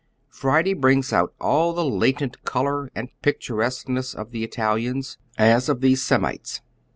Friday brings out all the latent color and picturesqueness of the Italians, as of these Semites.